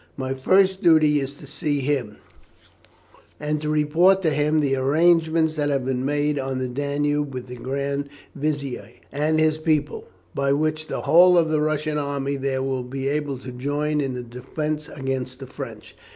My first duty is to see him, and to report to him the arrangements that have been made on the Danube with the Grand Vizier and his people, by which the whole of the Russian army there will be able to join in the defence against the French.